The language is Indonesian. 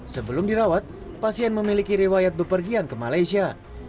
sebelum dirawat pasien memiliki rewayat berpergian ke malaysia